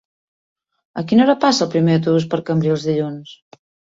A quina hora passa el primer autobús per Cambrils dilluns?